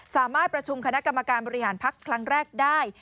สามารถประชุมคณะกรรมการบริหารพักครั้งแรกได้